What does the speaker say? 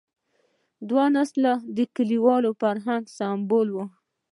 دویم نسل د کلیوال فرهنګ سمبال و.